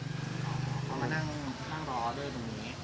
เขามานั่งรออเดอร์ตรงนี้